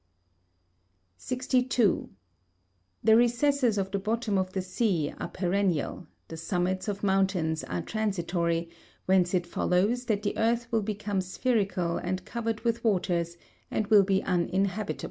62. The recesses of the bottom of the sea are perennial, the summits of mountains are transitory, whence it follows that the earth will become spherical and covered with waters, and will be uninhabitable.